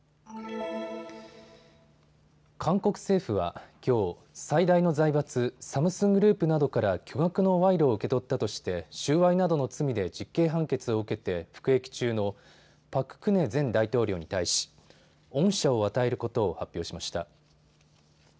韓国政府はきょう、最大の財閥、サムスングループなどから巨額の賄賂を受け取ったとして収賄などの罪で実刑判決を受けて服役中のパク・クネ前大統領に対し恩赦を与えることを発表しました。